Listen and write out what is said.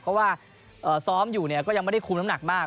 เพราะว่าซ้อมอยู่ก็ยังไม่ได้คุมน้ำหนักมาก